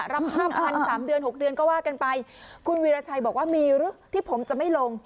รับ๕๐๐๓เดือน๖เดือนก็ว่ากันไปคุณวีรชัยบอกว่ามีหรือที่ผมจะไม่ลง